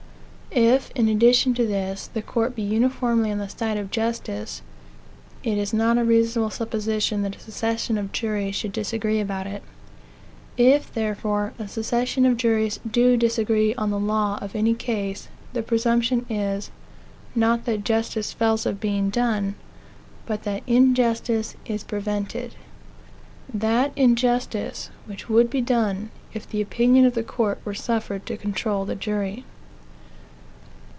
If, in addition to this, the court be uniformly on the side of justice, it is not a reasonable supposition that a succession of juries should disagree about it. If, therefore, a succession of juries do disagree on the law of any case, the presumption is, not that justice fails of being done, but that injustice is prevented that injustice, which would be done, if the opinion of the court were suffered to control the jury.